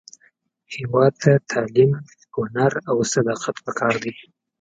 هیواد ته تعلیم، هنر، او صداقت پکار دی